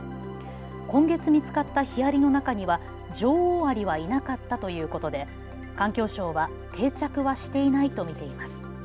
今月見つかったヒアリの中には女王アリはいなかったということで環境省は定着はしていないと見ています。